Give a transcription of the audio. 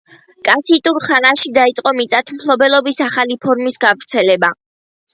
კასიტურ ხანაში დაიწყო მიწათმფლობელობის ახალი ფორმის გავრცელება.